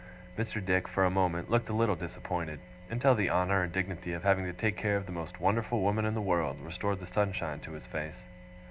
Mr. Dick, for a moment, looked a little disappointed; until the honour and dignity of having to take care of the most wonderful woman in the world, restored the sunshine to his face.